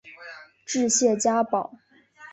治谢家堡。